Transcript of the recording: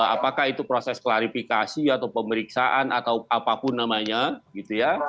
apakah itu proses klarifikasi atau pemeriksaan atau apapun namanya gitu ya